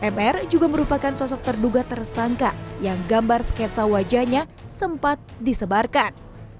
mr juga merupakan sosok terduga tersangka yang gambar sketsa wajahnya sempat disebarkan